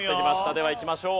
ではいきましょう。